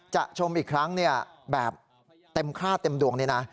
จะชมอีกครั้งเนี่ยแบบเต็มค่าเต็มดวงนี้นะ